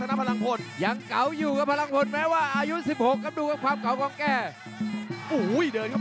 โอ้ได้เลือดเป็นแผลเลยครับ